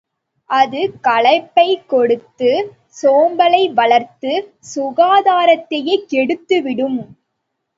அது களைப்பைக் கொடுத்து, சோம்பலை வளர்த்து, சுகாதரத்தையே கெடுத்துவிடும்.